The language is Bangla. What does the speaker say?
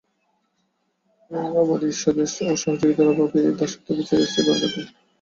আবার এই ঈর্ষাদ্বেষ ও সহযোগিতার অভাবই এই দাসত্বকে চিরস্থায়ী করে রাখে।